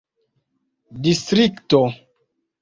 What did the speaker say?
distrikto